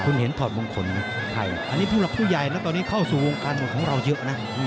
คุณเห็นถอดมงคลให้อันนี้ผู้หลักผู้ใหญ่นะตอนนี้เข้าสู่วงการมวยของเราเยอะนะ